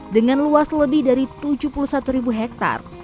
dengan luas lebih dari tujuh puluh satu ribu hektare